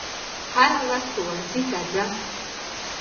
هره ورځ ښوونځي ته ځم